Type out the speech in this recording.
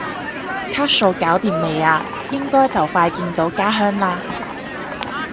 卡數搞掂未啊？應該就快見到家鄉啦？